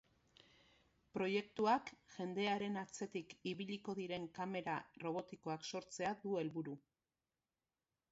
Proiektuak jendearen atzetik ibiliko diren kamera robotikoak sortzea du helburu.